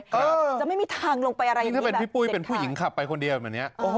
ครับจะไม่มีทางลงไปอะไรยังไงถ้าเป็นพี่ปุ้ยเป็นผู้หญิงขับไปคนเดียวแบบเนี้ยโอ้โห